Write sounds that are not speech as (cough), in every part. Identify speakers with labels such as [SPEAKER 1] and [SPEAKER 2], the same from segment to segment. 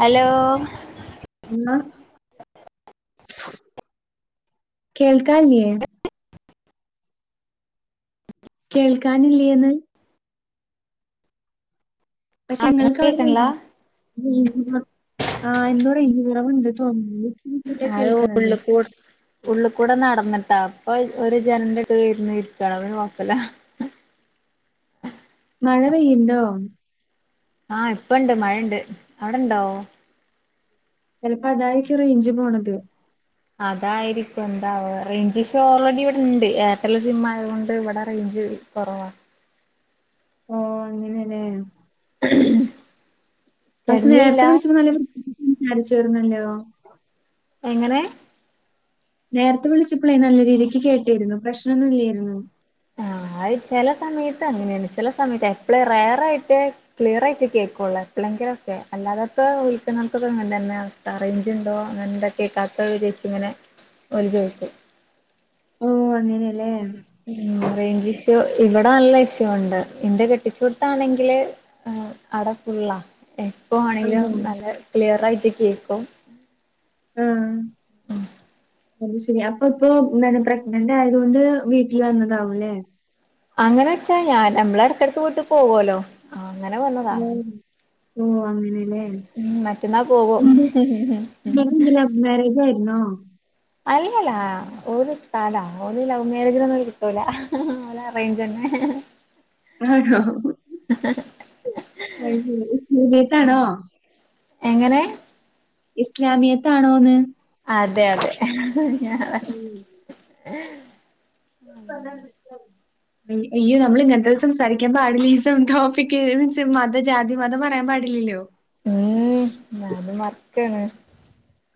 [SPEAKER 1] Hello?
[SPEAKER 2] ഉന്ന കേൾക്കാല്യ കേൾക്കാനില്ലേന്ന് പക്ഷെ
[SPEAKER 1] ആ
[SPEAKER 2] ഇങ്ങൾക്ക്
[SPEAKER 1] കേക്കണില്ല
[SPEAKER 2] അവിടെ (inaudible) ആ എന്താ റേഞ്ച് കുറവിൻഡ് തോന്നത്
[SPEAKER 1] അത് ഉള്ള് കൂടെ ഉള്ള് കൂടെ നടന്നിട്ടാ അപ്പൊ ഒരു ജനന്റെട്ട്ന്ന് ഇരിക്കണ അത് നോക്കലാ
[SPEAKER 2] മഴ പെയ്യുണ്ടോ?
[SPEAKER 1] ആഹ് ഇപ്പണ്ട് മഴണ്ട് അവിടെണ്ടോ
[SPEAKER 2] ചിലപ്പോ അതായിരിക്കും റേഞ്ച് പോണത്.
[SPEAKER 1] അതായിരിക്കൂ എന്താ റേഞ്ച്ഷോ ഓൾറെഡി ഇവിടെ ഉണ്ട് എയർടെല് സിം ആയത് കൊണ്ട് ഇവിടെ റേഞ്ച് കുറവാ
[SPEAKER 2] അങ്ങനെല്ലേ പക്ഷ നേരത്തെ
[SPEAKER 1] കെടന്നീല്ല
[SPEAKER 2] വിളിച്ച് (unintelligible) അരിച്ചിരുന്നല്ലോ
[SPEAKER 1] എങ്ങനെ?
[SPEAKER 2] നേരത്തെ വിളിച്ചപ്പോളെ നല്ല രീതിക്ക് കേട്ടിരുന്നു പ്രശ്നൊന്നും ഇല്ലേയിരുന്നു
[SPEAKER 1] ആ അത് ചെല സമയത്ത് അങ്ങനെയാണ് ചെല സമയത്ത് പ്പളെ റയറായിട്ട് ക്ലിയർ ആയിട്ട് കേൾക്കൊള്ളു എപ്പളേങ്കിലൊക്കെ അല്ലാതൊക്കെ വിളിക്കുന്നവർക് ഇങനെതെനയാ അവസ് അറേഞ്ച് ഉണ്ടോ എന്ത കേക്കത്ത ചൊയ്ച്ചി ങ്ങനെ ഓര് ചോയ്ക്കും
[SPEAKER 2] ഓ അങ്ങനെയല്ലേ
[SPEAKER 1] ഉ റേഞ്ച് ഇഷ്യു ഇവിടെ നല്ല ഇഷ്യൂ ഉണ്ട് ഇന്റെ കെട്ടിച്ചുട്ടാണെങ്കില് ആ അട ഫുള്ളാ എപ്പ ആണെങ്കിലും
[SPEAKER 2] ആണോ
[SPEAKER 1] നല്ല ക്ലിയർ ആയിട്ട് കേക്കും
[SPEAKER 2] ഉം അത് ശരി അപ്പ ഇപ്പൊ പ്രഗ്നന്റ് ആയത് കൊണ്ട് വീട്ടിൽ വന്നതാവുംല്ലേ
[SPEAKER 1] അങ്ങനെ വെച്ചാ ഞാൻ നമ്മള എടക്കിടക്ക് വീട്ട് പോകല്ലോ അങ്ങനെ വ ന്നതാ
[SPEAKER 2] ഓ അങ്ങനെ
[SPEAKER 1] ഉ മറ്റന്നാ പോവും
[SPEAKER 2] (unintelligible) മാരേജ്‌ ആയിരുന്നോ
[SPEAKER 1] അല്ലല്ല ഓന് ഉസ്താദാ ഓന് ലവ് മേരേജിലൊന്നും കിട്ടൂലഓന് അറേഞ്ച് തന്നെ
[SPEAKER 2] ആണോ
[SPEAKER 1] അ
[SPEAKER 2] (unintelligible)
[SPEAKER 1] എങ്ങനെ
[SPEAKER 2] ഇസ്ലാമിയത്താണോന്ന്
[SPEAKER 1] അതെ അതെ (unintelligible)
[SPEAKER 2] (inaudible)
[SPEAKER 1] ഉ (inaudible)
[SPEAKER 2] അയ അയ്യോ നമ്മൾ ഇങ്ങനത്തെ സംസാരിക്കാൻ പാടില്ല ഈ ടോപ്പിക് മീൻസ് മത ജാതി മതം പറയാൻ പാടില്ലല്ലോ
[SPEAKER 1] ഉം ഞാനുംവർക്കാണ്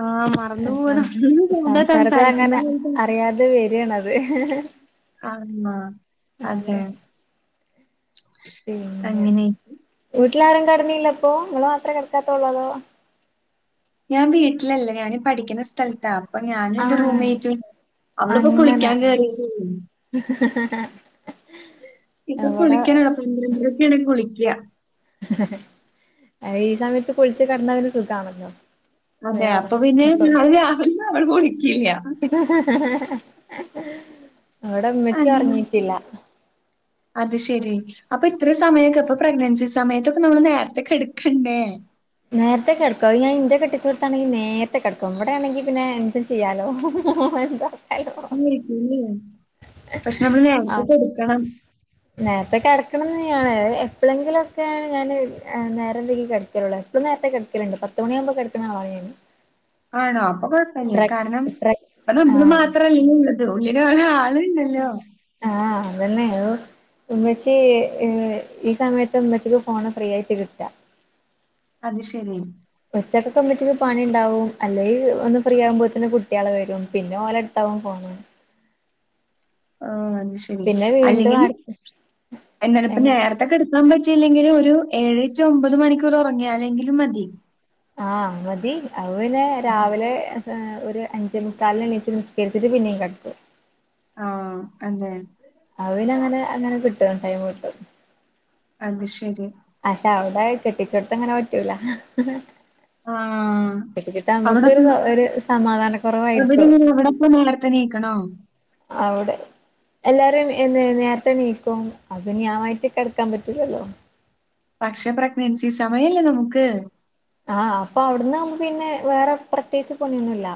[SPEAKER 2] ആ മറന്നു പോകുന്ന
[SPEAKER 1] സംസാരത്തി അങ്ങനെ
[SPEAKER 2] സംസാരിക്കുന്നത്
[SPEAKER 1] അറിയാതെ വരാണ്ത്
[SPEAKER 2] അമ്മ അതെ
[SPEAKER 1] പിന്നെ
[SPEAKER 2] അങ്ങനെ
[SPEAKER 1] വീട്ടിലാരും കടന്നീല്ല അപ്പോ നിങ്ങൾ മാത്രമേ കിടക്കാത്തള്ളൂ അതോ
[SPEAKER 2] ഞാൻ വീട്ടിലല്ല ഞാന് പഠിക്കുന്ന സ്ഥലത്താ അപ്പൊ ഞാനും എന്റെ
[SPEAKER 1] ആഹ്
[SPEAKER 2] റൂമേറ്റ് ഉം അവള് ഇപ്പോ കുളിക്കാൻ കേറിയ തേ ഉള്ളു
[SPEAKER 1] ഹ ഹ
[SPEAKER 2] ഇപ്പൊ കുളിക്കാനോ പന്ത്രണ്ടരൊക്കെ ആണെങ്കിൽ കുളിക്കുക
[SPEAKER 1] ഈ സമയത്ത് ക്കുളിച് കിടന്ന പിന്നെസുഖാണല്ലോ
[SPEAKER 2] അതെ അപ്പൊ പിന്നെ ഞാൻ രാവിലെ അ അവടെ കുളിക്കില്ല
[SPEAKER 1] അവടെ ഉമ്മച്ചി
[SPEAKER 2] അങ്ങനെ
[SPEAKER 1] ഉറങ്ങിട്ടില്ല
[SPEAKER 2] അത് ശെരി അപ്പൊ ഇത്ര സമയൊക്കെ ഇപ്പൊ പ്രഗ്നൻസി സമയത്തൊക്കെ നമ്മള് നേരത്തെക്കെ കിടക്കണ്ടേ
[SPEAKER 1] നേരത്തെ കിടക്കും ഞാൻന്റെ കെട്ടിച്ച കൊടുത്താണെങ്കിൽ നേരത്തെ കടക്കുംവിടെ ആണെങ്ക പിന്നെ എന്ത് ചയാലോ എന്ത കാലോ
[SPEAKER 2] രിക്ക പക്ഷെ നമ്മൾ നേരത്തെ കടക്കണം
[SPEAKER 1] നേരത്തെെ കിടക്കണം കെയാണ് എപ്പോഴെങ്കിലുംക്കെയാണ് ഞാൻ നേരവയ്കി കടക്കലുള്ളത് ഇപം നേരത്തെ കിടക്കല്ണ്ട് പത്ത് മണിയാവുമ്പോ കിടക്ക്ണാളാണ് ഞാൻ
[SPEAKER 2] ആണോ അപ്പൊ കൊഴപ്പില്ല
[SPEAKER 1] പ്ര
[SPEAKER 2] കാരണം
[SPEAKER 1] പ്ര
[SPEAKER 2] അപ്പൊ നമ്മള്
[SPEAKER 1] ആഹ്
[SPEAKER 2] മാത്രല്ലല്ലോ ഉള്ളത് ഉള്ളില് ഒരു ആള ഇണ്ടല്ലോ
[SPEAKER 1] ആഹ് അതന്നെയത് ഉമ്മച്ചി ഈ സമയത്ത് ഉമ്മച്ചിക്ക് ഫോണ് ഫ്രീ ആയിട്ട് കിട്ടുക
[SPEAKER 2] അത് ശരി
[SPEAKER 1] ഒച്ചക്കൊക്കെ മച്ചിക്ക് പണി ഉണ്ടാവും അല്ലെങ്കി ഒന്ന് ഫ്രീ ആകുമ്പോൾ തന്നെ കുട്ടികള്ക്കെ വരും പിന്നെ ഓല എടുത്താവും ഫോൺ
[SPEAKER 2] ആ അത് ശരി
[SPEAKER 1] പിന്നെ വീണ്ടും അട
[SPEAKER 2] അല്ലെങ്കിൽഎന്നാ പ്പ
[SPEAKER 1] എങ്ങനെ
[SPEAKER 2] നേർത്തെ ത്തെക്കെടുക്കാൻ പറ്റിയില്ലെങ്കിൽ ഒരു ഏഴറ്റുഒമ്പത് മണിക്കൂർ ഉറങ്ങിയ അല്ലെങ്കിലും മതി
[SPEAKER 1] ആഹ മതി അത് പിന്നെ രാവിലെ ഒരു അഞ്ചെ മുക്കാലിന് എണീച്ച് നിസ്കരിച്ചിട്ട് പിന്നെയും കിടക്കും
[SPEAKER 2] ആഹ് അതെ
[SPEAKER 1] അവനങ്ങനെ അങ്ങനെ കിട്ടുംടൈം കിട്ടും
[SPEAKER 2] അത് ശരി
[SPEAKER 1] ആ പക്ഷെ അവിടെ കെട്ടിച്ചെടുത്ത് അങ്ങനെ പറ്റൂല
[SPEAKER 2] ആഹ്
[SPEAKER 1] കെട്ടിച്ചിട്ട്നമ്മക്ക്
[SPEAKER 2] അവിടപ്പ
[SPEAKER 1] ഒരു സമാധാന കുറവായിരിക്കോ
[SPEAKER 2] അവിടെങ്ങനെ അവിടപ്പ നേരത്തെ എണീക്കണോ?
[SPEAKER 1] അവിടെ എല്ലാരും എ നേരത്തെ നീക്കും അത് ഞാനായിട്ട് കിടക്കാൻ പറ്റില്ലല്ലോ
[SPEAKER 2] പക്ഷ പ്രഗ്നൻസി സമയല്ലേ നമുക്ക്
[SPEAKER 1] ആഹ് അപ്പൊ അവിടുന്ന് നമ്മ പിന്നെ വേറെ പ്രത്യേകിച്ച് പൊണിയൊന്നുംല്ല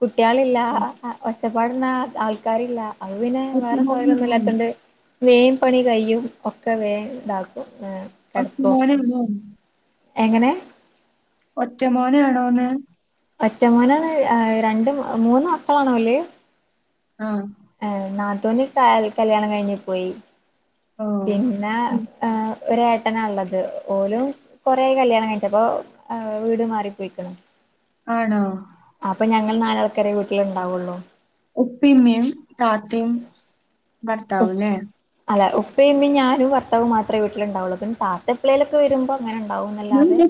[SPEAKER 1] കുട്ടികളില്ല
[SPEAKER 2] നമുക്ക്
[SPEAKER 1] ഒച്ചപ്പാടുന്ന ആൾക്കാരില്ല അത് പിന്നെ വേറെ തൊഴിലൊന്നും ഇല്ലാത്തോണ്ട് വേൻ പണി കയ്യും ഒക്കെ വേ ഇതാക്കും
[SPEAKER 2] അ
[SPEAKER 1] കെടക്കും
[SPEAKER 2] മോന ഉ (unintelligible)
[SPEAKER 1] എങ്ങനെ
[SPEAKER 2] ഒറ്റ മോനാണോന്ന്
[SPEAKER 1] ഒറ്റമോനാണ് രണ്ട് മൂന്ന് മക്കളാണോ അല്ലേ
[SPEAKER 2] ആഹ
[SPEAKER 1] ഏ നാത്തൂന്ന കല്യാണം കഴിഞ്ഞു പോയി
[SPEAKER 2] ഓ
[SPEAKER 1] പിന്നെ
[SPEAKER 2] ഉം.
[SPEAKER 1] ആ് ഒ ഏട്ടന ഉള്ളത് ഓലും കൊറെ കല്യാണം കഴിചപ്പോ വീട് മാറിപ്പോയിക്കണം
[SPEAKER 2] ആണോ
[SPEAKER 1] അപ്പൊ ഞങ്ങൾ നാലാൾക്കാരെ വീട്ടില് ഉണ്ടാവുള്ളൂ
[SPEAKER 2] ഉപ്പിമ്മയും താത്തിയും ഭർത്താവൂല്ലേ
[SPEAKER 1] അല്ല ഉപ്പേമ്മ ഞാനും ഭർത്താവും മാത്രമേ വീട്ടിലുണ്ടാവുള്ളൂ പിന്നെ താത്ത എപ്പെളെലൊക്കെ വരുമ്പോ അങ്ങനെ ഉണ്ടാവും
[SPEAKER 2] ഞാൻ
[SPEAKER 1] എന്നല്ലാതെ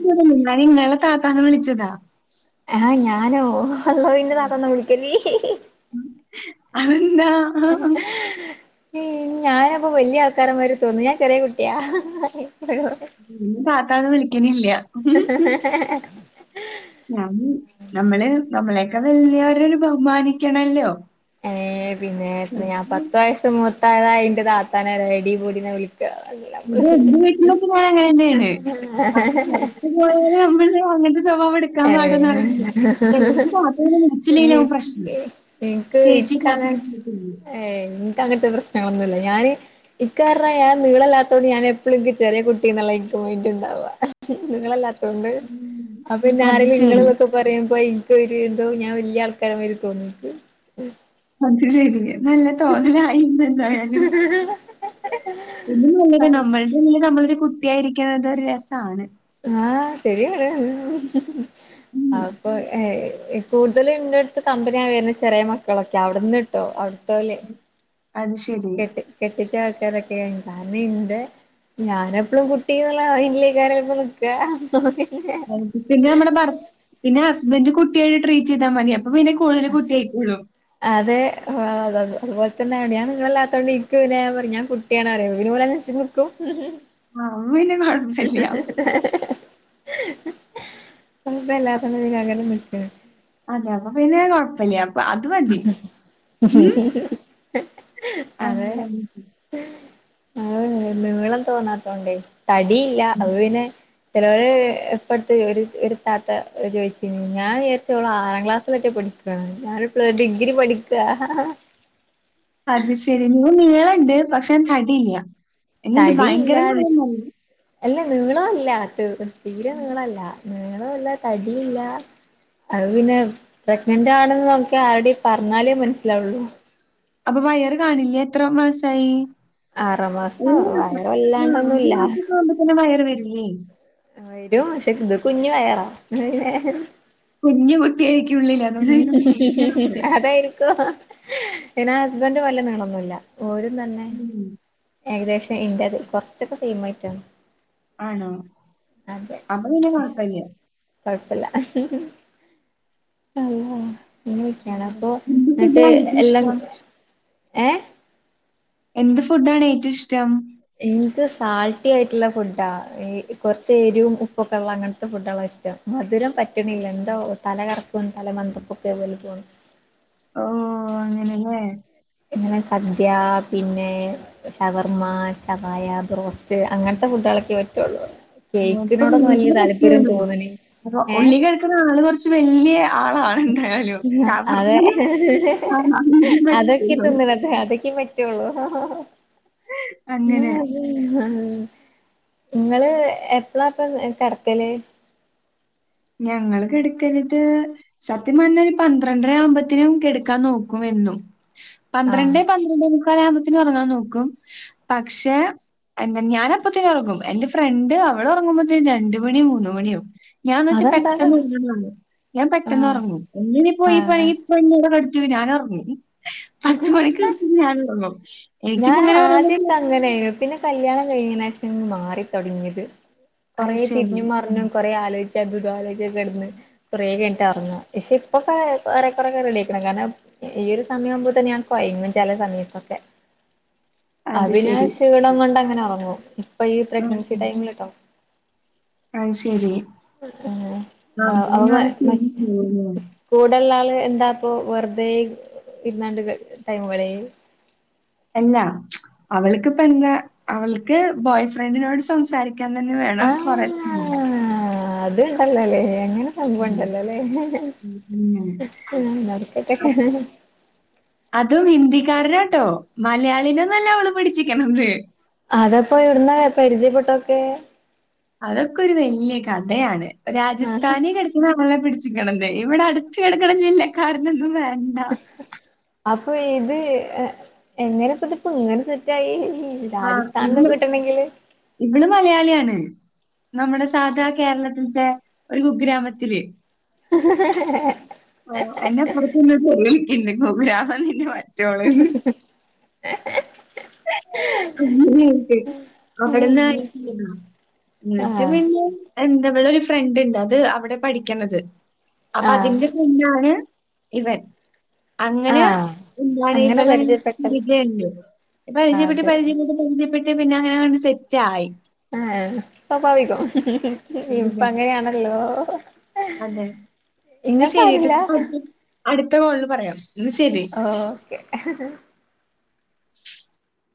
[SPEAKER 2] ഞാൻ ഇങ്ങളെ താത്താന്ന് വിളിച്ചതാ
[SPEAKER 1] ആഹ ഞാനോ വല്ലോ ഇന്റെ
[SPEAKER 2] ഉം.
[SPEAKER 1] നാത്തൊന്നും വിളിക്കല
[SPEAKER 2] അതെന്താ
[SPEAKER 1] ഞാനപ്പോ വലിയ ആൾക്കാരന്മാര് തോന്നുന്നു ഞാൻ ചെറിയ കുട്ടിയാ
[SPEAKER 2] ഉ പാത്താതെ വിളിക്കണില്ല
[SPEAKER 1] (inaudible)
[SPEAKER 2] ഞ നമ്മള് നമ്മളെയക്കെ വലിയരരു ബഹുമാനിക്കണല്ലോ
[SPEAKER 1] ഏ പിന്നെ എത്ര ഞാൻ പത്ത വയസ മുൂർത്തായതാ അതിന്റെ താത്താനെ റെഡിപൂടെ വിളിക്ക
[SPEAKER 2] ഇത് എന്റെ വീട്ടിലൊക്കെ ഞാൻ
[SPEAKER 1] നമ്മള് (inaudible)
[SPEAKER 2] (unintelligible) നമ്മൾ അങ്ങ സ്വഭാവം എടുക്കാൻ പാടന്ന് അറിയില്ല
[SPEAKER 1] ഏഹ്
[SPEAKER 2] ചിലർക്ക്ത്ര മിച്ചിലലാവും പ്രശ്നം
[SPEAKER 1] എനിക്ക്
[SPEAKER 2] ചേച്ചി പത്രച്ച (unintelligible)
[SPEAKER 1] ഏ എനിക്ക അങ്ങത്തെ പ്രശ്നം ഒന്നില്ല ഞാന് ഇക്കാരണം ഞാൻ നീളല്ലാത്തോ ഞൻ എപ്പോഴുക്ക് ചെറിയ കുട്ടിളേക്ക് പോയിട്ട്ണ്ടാവവാുക നിങ്ങളല്ലാത്തൊണ്ട്
[SPEAKER 2] ഉം.
[SPEAKER 1] ഇപ്പൊ
[SPEAKER 2] അത് ശരി.
[SPEAKER 1] ഇങ്ങളൊക്കെ പറയുമ്പോ എനക്ക് എന്തോ ഞാൻ വലിയ ആൾക്കാര മാര് തോന്നിണ്ട്
[SPEAKER 2] അത് ശരി നല്ല തോന്നലായിന്ന് എന്തായാലും ഇ നല്ലത നമ്മളുടെ ഇല് നമ്മളൊരു കുട്ടിയായിരിക്കണത് ഒരു രസമാണ്
[SPEAKER 1] ആഹ ശരിയാണ് ആ
[SPEAKER 2] ഉം.
[SPEAKER 1] അപ്പൊ കൂടുതലും ഇന്റെ അടുത്ത് കമ്പിനിയ ഞാൻ വരുന്ന ചെറിയ മക്കളൊക്കെ അവിടന്ന്ട്ടോ അ
[SPEAKER 2] അത് ശ
[SPEAKER 1] കെട്ടി കെട്ടിച്ച ആൾക്കാരൊക്കെ ന്താന ഇണ്ട് ഞാന എപ്പഴും കുട്ടിന്നുള്ള അയിന്ലേക്കപ്പ നക്കുക തോന്നല്ലേ
[SPEAKER 2] പിന്നെ നമ്മുടെ ഭർ പിന്നെ ഹസ്ബൻഡ് കുട്ടിയായ ട്രീറ്റ് ചെയ്താൽ മതി അപ്പൊ പിന്നെ കൂട്തല് കുട്ട്യയ്ക്കൂലോ.
[SPEAKER 1] അതെ അതത് അതുപോലെ തന്നെയാണ് ഞാ നിങ്ങളല്ലാത്തതോണ്ട് ഇരിക്ക പിന്നെ ഞാൻ പറഞ്ഞ ഞാൻ കുട്ടി കുട്ടിയണേ വിനോല സിംർക്കും
[SPEAKER 2] ആഹ് അമ്മ പിന്നെ കുഴപ്പല്യാ
[SPEAKER 1] (inaudible) നപ്പ എല്ലാത്തതികെ അങ്ങനെ നിക്ക
[SPEAKER 2] അതെ അപ്പൊ പിന്നെ കുഴപ്പില്ല അപ്പൊ അത് മതി ഉം.
[SPEAKER 1] അതെ
[SPEAKER 2] അങ്ങനെ.
[SPEAKER 1] ആഹ് നീളം തോന്നാത്തോണ്ടേ തടിയില്ല അപ്പ പിന്നെ ചിലോര് ഇപ്പട്ത്ത് ഒരു ഒരു താത്ത ചോദിച്ചീന് ഞാൻ വിചാരിച് ഓള് ആറാം ക്ലാസ്സിലൊറ്റെ പഠി- ആഹ് ഞാനിപ്പള് ഡിഗ്രി പഠിക്ക
[SPEAKER 2] അത് ശെരി നീ നീളണ്ട് പക്ഷെ തടിയില്ല എന്നിട്ട് ഭയങ്കര
[SPEAKER 1] തടിയില്ല
[SPEAKER 2] നീളല്ല
[SPEAKER 1] അല്ല നീളല്ല തീരെ നീളല്ല നീളോല്ല തടീല്ല അത് പിന്നെ പ്രഗ്നന്റ് ആണെന്ന് നമുക്ക് ആരുടെ പറഞ്ഞാലേ മനസ്സിലാവുള്ളൂ
[SPEAKER 2] അപ്പൊ വയറ് കാണില്ലേ എത്ര മാസായി?
[SPEAKER 1] ആറാം മാസം
[SPEAKER 2] മൂന്ന് മാസ
[SPEAKER 1] വയറ്
[SPEAKER 2] ആഹ് അഞ്ചു
[SPEAKER 1] വല്ലാണ്ടൊന്നുല്ല
[SPEAKER 2] മാസക്കെ ആവുമ്പോത്തന്നെ വയറ് വരില്ലേ
[SPEAKER 1] എരും പഷേ ഇത് കുഞ് വയറാ പിന്നെ
[SPEAKER 2] കുഞ്ഞു കുട്ടിയ ആയിരിക്കും ഉള്ളിൽ അതുകൊണ്ടായിരിക്കും കുഞ്ഞു വയറ്
[SPEAKER 1] അതായിരിക്കോ പിന്നെ ഹസ്ബൻഡ് വല്ല നീളോന്നില്ല ഓരും തന്നെ
[SPEAKER 2] ഉം.
[SPEAKER 1] ഏകദേശം ഇന്റെ കുറച്ചൊക്കെ സെയിമായിറ്റാ
[SPEAKER 2] ആണോ അപ്പൊ പിന്നെ കുഴപ്പല്ല
[SPEAKER 1] കുഴപ്പല്ല അള്ളാ ഇങ്ങെയൊക്കെയാണ്
[SPEAKER 2] ഉം.
[SPEAKER 1] അപ്പൊ
[SPEAKER 2] എന്ത്
[SPEAKER 1] എന്നിട്ട്
[SPEAKER 2] ഫുഡാ ഏറ്റവും
[SPEAKER 1] എല്ലാം
[SPEAKER 2] ഇഷ്ടം
[SPEAKER 1] ഏഹ്
[SPEAKER 2] എന്ത് ഫുഡാണ് ഏറ്റവും ഇഷ്ടം?
[SPEAKER 1] എനിക്ക് സാൾട്ടി ആയിട്ടുള്ള ഫുഡാ കുറച്ചു എരിവും ഉപ്പൊക്കെ ഉള്ള അങ്ങനത്തെ ഫുഡാളാ ഇഷ്ടം. മധുരം പറ്റണില്ല എന്തോ തലകറക്കും തല മന്താപ്പൊക്കെ വെളു
[SPEAKER 2] ആണല്ലേ
[SPEAKER 1] ഇങ്ങനെ സദ്യ പിന്നെ ഷവർമ്മ ശവായ ബ്രോസ്റ്റ് അങ്ങനത്തെ ഫുഡുകളൊക്കെ പറ്റുള്ളൂ
[SPEAKER 2] ഇപ്പൊ
[SPEAKER 1] കേക്കിനോടൊന്നും വലിയ
[SPEAKER 2] വീട്ട്
[SPEAKER 1] താല്പര്യം
[SPEAKER 2] വെക്കാണ്
[SPEAKER 1] തോന്നണി
[SPEAKER 2] അപ്പൊ
[SPEAKER 1] ഏ
[SPEAKER 2] ഉള്ളി കഴിക്കുന്ന ആള് കുറച്ച് വല്യ ആളാണ് എന്തായാലും
[SPEAKER 1] അതെ
[SPEAKER 2] ഷവർമ്മീം (unintelligible) പറ്റുള്ളൂ
[SPEAKER 1] അതൊക്ക പറ്റുള്ളൂ
[SPEAKER 2] അങ്ങനെ
[SPEAKER 1] നിങ്ങള് എപ്പളാ ഇപ്പ കിടക്കല്
[SPEAKER 2] ഞങ്ങള് കിടക്കലത് സത്യം പറഞ്ഞ ഒരു പന്ത്രണ്ടര ആകുമ്പോത്തിനും കെടക്കാൻ നോക്കും എന്നും
[SPEAKER 1] ആഹ്
[SPEAKER 2] പന്ത്രണ്ടേ പ- മുക്കാൽ ആകുമ്പോത്തിന് ഉറങ്ങാൻ നോക്കും പക്ഷെ ഞാൻ അപ്പത്തന്നെ ഉറങ്ങും എന്റെ ഫ്രണ്ട് അവളറങ്ങുമ്പോത്തേന് രണ്ട് മണി മൂന്ന് മണിയാകും ഞാ
[SPEAKER 1] അതെന്താണ്
[SPEAKER 2] പെട്ടെന്ന് ഉറങ്ങും ഞാൻ പെട്ടെന്ന്
[SPEAKER 1] ആഹ്
[SPEAKER 2] ഉറങ്ങും ഇനി ഇപ്പോ
[SPEAKER 1] ആഹ്
[SPEAKER 2] പ്പോ ഞാൻ ഉറങ്ങും പത്ത് മണിക്കടന്നാൽ ഞാന് ഉറങ്ങും
[SPEAKER 1] ഞാൻ ആദ്യൊക്കെ അങ്ങനൊയിരുന്നു പിന്നെ കല്യാണം കഴിഞെന ശേഷം മാറിത്തുടങ്ങിയത്
[SPEAKER 2] അത്
[SPEAKER 1] കുറേ
[SPEAKER 2] ശരി,
[SPEAKER 1] തിരിഞ്ഞും മറിഞ്ഞും കൊറേ ആലോചിച്ചു അതും ഇദും ആലോചിച്ചക്കെ കിടന്ന് കുറേ കഴിഞ്ഞിട്ട് ഉറങ്ങാ പക്ഷെ ഇപ്പൊക്കെ കൊറെ കൊറെേക്കെ റെഡി ആയിക്ക്ണ് കാരണം ഈയൊരു സമയ ആകുമ്പ തന്നെ ഞാൻ കോയങ്ങും ചില സമയത്തൊക്കെ അപ്പൊ
[SPEAKER 2] അത്
[SPEAKER 1] പിന്നെ
[SPEAKER 2] ശരി.
[SPEAKER 1] ക്ഷീണം കൊണ്ട് അങ്ങനെ ഉറങ്ങും ഇപ്പൊ ഈ
[SPEAKER 2] ഉം
[SPEAKER 1] പ്രഗ്നൻസി
[SPEAKER 2] ഉം.
[SPEAKER 1] ടൈമിൽ ട്ടോ
[SPEAKER 2] അത് ശെരി
[SPEAKER 1] ഏഹ്
[SPEAKER 2] (unintelligible) ലേ
[SPEAKER 1] കൂടെല്ല ആള് എന്താ ഇപ്പോ വെറുതെ ഇരുന്നാണ്ട് ടൈമുകളെയെ
[SPEAKER 2] അല്ലാ അവൾക്ക്പ്പ എന്താ അവൾക്ക് ബോയ് ഫ്രണ്ടിനോട് സംസാരി രിക്കാൻ തന്നെ വേണം കൊറേ
[SPEAKER 1] അല്ലല്ലേ അങ്ങനെ
[SPEAKER 2] ഉം. ഉം.
[SPEAKER 1] സംഭവണ്ടല്ലോല്ലേ
[SPEAKER 2] ഉം. അങ്ങനെ.
[SPEAKER 1] ആഹ് നടക്കട്ടെ
[SPEAKER 2] അതും ഹിന്ദിക്കാരനാട്ടോ മലയാളീ നൊന്നുല്ല അവള് പിഠിച്ചിക്കണത്
[SPEAKER 1] അതപ്പോ എവിട്ന്ന പരിചയപ്പെട്ടൊതോക്കെ
[SPEAKER 2] അതൊക്കെ ഒരു വലിയ കഥയാണ്
[SPEAKER 1] ആഹ്
[SPEAKER 2] രാജസ്ഥാനി നമ്മല്ലെ പിടിച്ചിക്കണതെ ഇവിടെ അടുത്ത് കിടക്കണ ജില്ലക്കാരനൊന്നും വേണ്ട
[SPEAKER 1] അപ്പൊ ഇത് എങ്ങനെ പ്പത് പ്പങ്ങനെ സെറ്റായി
[SPEAKER 2] ആഹ്
[SPEAKER 1] രാജസ്ഥാനിന്ന്
[SPEAKER 2] ഇവള്
[SPEAKER 1] കിട്ടണെങ്കില്
[SPEAKER 2] ഇവള് മലയാളിയാണ്. നമ്മുടെ സാധാ കേരളത്തിത്തെ ഒരു കുഗ്രാമത്തില്
[SPEAKER 1] ഉഹുംഹുംഹഹ
[SPEAKER 2] എന്റെപ്പുറത്ത നിന്ന് (unintelligible) (unintelligible) അങ്ങനെ ആയിട്ട് അവിടെന്ന (unintelligible) എന്നിട്ട്
[SPEAKER 1] ആഹ്
[SPEAKER 2] പിന്നെ എന്റെ അവടൊരു ഫ്രണ്ട് ഉണ്ട് അത് അവിടെ പഠിക്കണത്. അപ്പൊ
[SPEAKER 1] ആഹ്
[SPEAKER 2] അതിന്റെ (unintelligible) ആണ് ഇവൻ അങ്ങനെ
[SPEAKER 1] ആഹ്
[SPEAKER 2] എന്താണ്
[SPEAKER 1] അങ്ങനെ
[SPEAKER 2] ഇവളെ
[SPEAKER 1] പരിചയപ്പെട്ട
[SPEAKER 2] (unintelligible) പരിചയപ്പെട്ട്
[SPEAKER 1] അതെ
[SPEAKER 2] പരിചയപ്പെട്ട് പരിജയപ്പെട്ട് പിന്നെ അങ്ങനെ കൊണ്ട് സെറ്റായി
[SPEAKER 1] ആഹ്‌ സ്വാഭാവികം ഉംഹുംഹും ഇപ്പ അങ്ങനെയാണല്ലോ.
[SPEAKER 2] അതെ ഇന്നാ ശരിട്ട്
[SPEAKER 1] ഇങ്ങക്കാരുല്ല
[SPEAKER 2] (unintelligible) അടുത്ത കോളിൽ പറയാം ഇന്നാ ശരി
[SPEAKER 1] ഓ ഓക്കെ ആഹ്